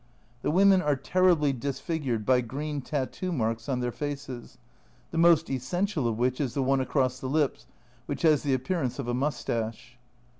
The women are terribly disfigured by green tattoo marks on their faces, the most essential of which is the one across the lips, which has the appearance of a moustache.